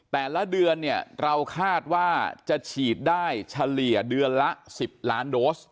แต่ละเดือนเนี่ยเราคาดว่าจะฉีดได้เฉลี่ยเดือนละ๑๐ล้านโดส